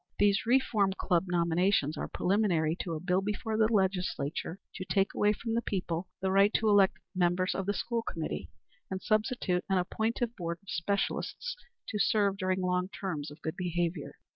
These Reform Club nominations are preliminary to a bill before the Legislature to take away from the people the right to elect members of the school committee, and substitute an appointive board of specialists to serve during long terms of good behavior.